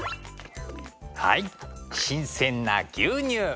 はい新鮮な牛乳。